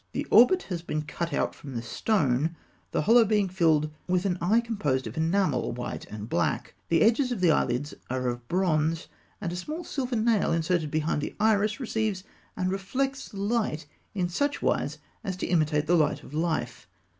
The orbit has been cut out from the stone, the hollow being filled with an eye composed of enamel, white and black. The edges of the eyelids are of bronze, and a small silver nail inserted behind the iris receives and reflects the light in such wise as to imitate the light of life.